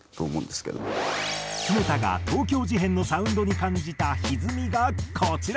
常田が東京事変のサウンドに感じた歪みがこちら。